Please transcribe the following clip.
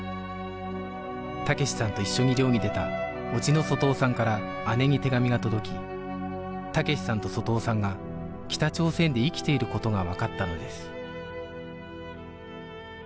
武志さんと一緒に漁に出た叔父の外雄さんから姉に手紙が届き武志さんと外雄さんが北朝鮮で生きていることがわかったのです